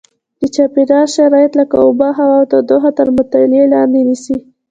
د چاپېریال شرایط لکه اوبه هوا او تودوخه تر مطالعې لاندې نیسي.